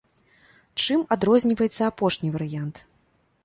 Чым адрозніваецца апошні варыянт?